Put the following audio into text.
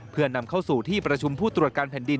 เพื่อนำเข้าสู่ที่ประชุมผู้ตรวจการแผ่นดิน